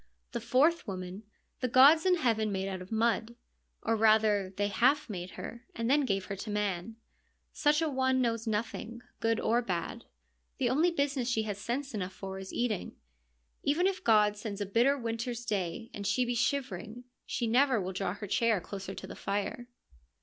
The fourth woman the gods in heaven made out of mud — or rather they half made her — and then gave her to man. Such a one knows nothing, good or bad ; the only business she has sense enough for is eating. Even if God sends a bitter winter's day and she be shivering, she never will draw her chair closer to the fire.